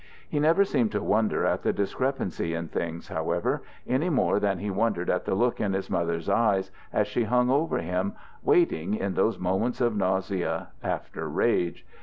He never seemed to wonder at the discrepancy in things, however, any more than he wondered at the look in his mother's eyes, as she hung over him, waiting, in those moments of nausea after rage.